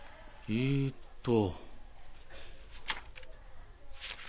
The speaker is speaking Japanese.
えっと。